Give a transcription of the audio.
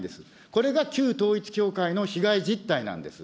これが旧統一教会の被害実態なんです。